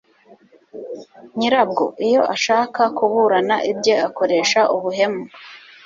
nyirabwo, iyo ashaka kuburana ibye, akoresha ubuhemu